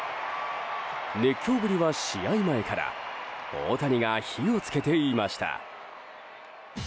熱狂ぶりは試合前から大谷が火をつけていました。